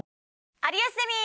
『有吉ゼミ』。